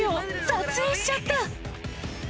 撮影しちゃった。